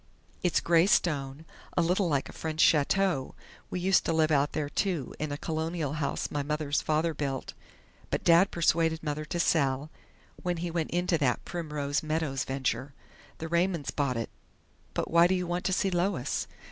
It's grey stone, a little like a French chateau. We used to live out there, too, in a Colonial house my mother's father built, but Dad persuaded Mother to sell, when he went into that Primrose Meadows venture. The Raymonds bought it.... But why do you want to see Lois?"